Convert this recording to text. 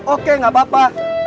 oke gak apa apa